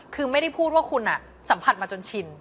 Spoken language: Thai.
คือไม่ได้พูดว่าคุณสัมผัสมาจนชิน